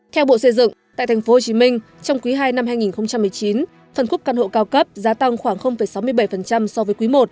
theo bộ xây dựng tại tp hcm trong quý ii năm hai nghìn một mươi chín phần khúc căn hộ cao cấp giá tăng khoảng sáu mươi bảy so với quý i